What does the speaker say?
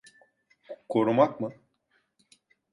Korumak mı?